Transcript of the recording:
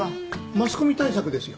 マスコミ対策ですよ。